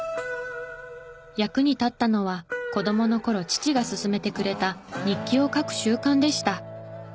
役に立ったのは子供の頃父が勧めてくれた日記を書く習慣でした。